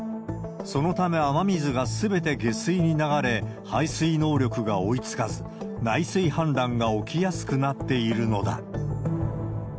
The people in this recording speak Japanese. そのため雨水がすべて下水に流れ、排水能力が追いつかず、内水氾濫が起きやすくなっているのだ。